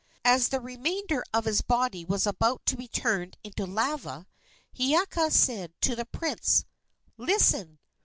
As the remainder of his body was about to be turned into lava, Hiiaka said to the prince: "Listen!